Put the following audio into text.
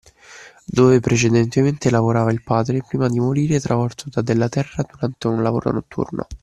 Dove precedentemente lavorava il padre prima di morire travolto da della terra durante un lavoro notturno.